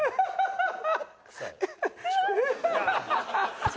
ハハハハ！